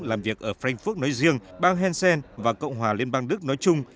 làm việc ở frankfurt nói riêng bang hessen và cộng hòa liên bang đức nói chung